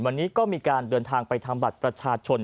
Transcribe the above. วันนี้ก็มีการเดินทางไปทำบัตรประชาชน